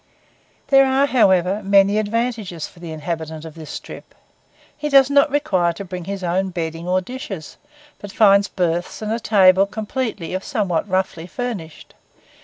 There are, however, many advantages for the inhabitant of this strip. He does not require to bring his own bedding or dishes, but finds berths and a table completely if somewhat roughly furnished.